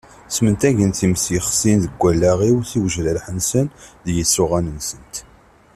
Smentagen times yexsin deg allaɣ-iw s uwejrireḥ-nsen d yisuɣan-nsent.